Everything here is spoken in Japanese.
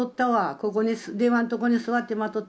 ここに電話のとこに座って待っとった。